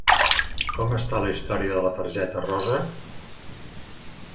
Com està la història de la targeta rosa?